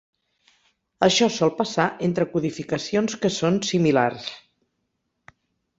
Això sol passar entre codificacions que són similars.